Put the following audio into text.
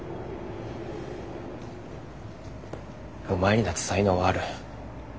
お前にだって才能はある。